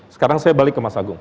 sekarang saya balik ke mas agung